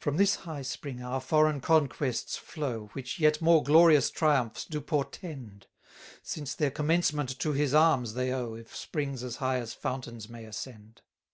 28 From this high spring our foreign conquests flow, Which yet more glorious triumphs do portend; Since their commencement to his arms they owe, If springs as high as fountains may ascend.